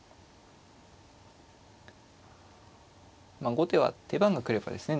まあ後手は手番がくればですね